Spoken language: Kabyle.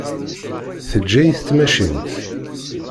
Teǧǧa-yi tmacint.